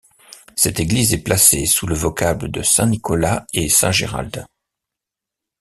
Cette église est placée sous le vocable de Saint-Nicolas-et-Saint-Gérald.